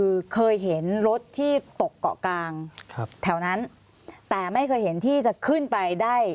คือเคยเห็นรถที่ตกเกาะกลางครับแถวนั้นแต่ไม่เคยเห็นที่จะขึ้นไปได้